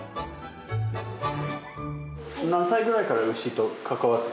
何歳ぐらいから牛と関わってるんですか？